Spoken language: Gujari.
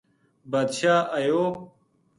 بادشاہ ایو